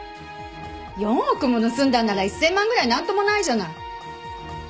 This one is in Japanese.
４億も盗んだなら１千万ぐらいなんともないじゃない。